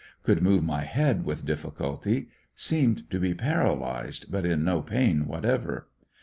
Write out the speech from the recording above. Could move my head with difficulty. Seemed to be paralyzed, but in no pain whatever.